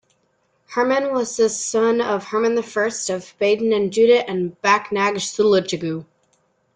Hermann was the son of Hermann I of Baden and Judit of Backnang-Sulichgau.